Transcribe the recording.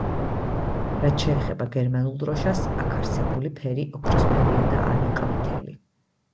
რაც შეეხება გერმანულ დროშას, აქ არსებული ფერი ოქროსფერია და არა ყვითელი.